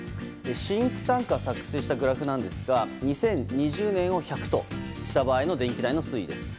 シンクタンクが作成したグラフですが２０２０年を１００とした場合の電気代の推移です。